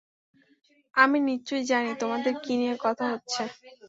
আমি নিশ্চয় জানি তোমাদের কী নিয়ে কথা হচ্ছে।